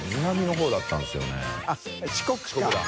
四国だ。